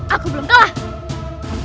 aku belum tahu